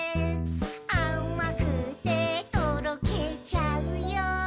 「あまくてとろけちゃうよ」